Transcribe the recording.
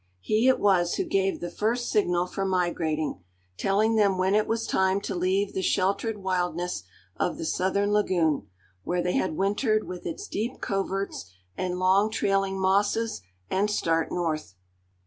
He it was who gave the first signal for migrating, telling them when it was time to leave the sheltered wildness of the southern lagoon, where they had wintered, with its deep coverts and long, trailing mosses, and start north.